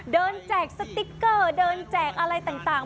แจกสติ๊กเกอร์เดินแจกอะไรต่าง